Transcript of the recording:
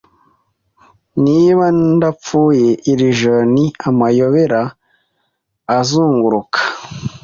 Niba Ndapfuye Iri joro ni amayobera azunguruka